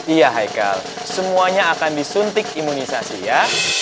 iya haikal semuanya akan disuntik imunisasi ya